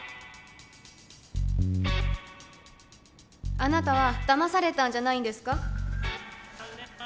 あなたは騙されたんじゃないんですか？